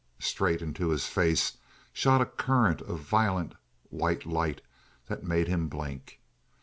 Straight into his face shot a current of violent white light that made him blink.